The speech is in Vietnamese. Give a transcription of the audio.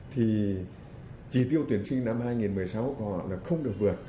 thì chỉ tiêu tuyển sinh năm hai nghìn một mươi sáu của họ là không được vượt